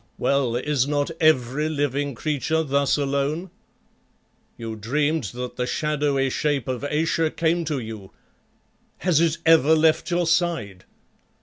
Well, is not every living creature thus alone? You dreamed that the shadowy shape of Ayesha came to you. Has it ever left your side?